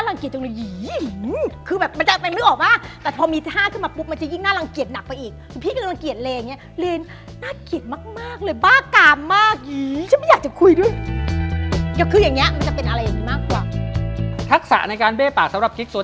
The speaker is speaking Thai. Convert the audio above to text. ลิซ่าทำเหมือนมากเลยนะ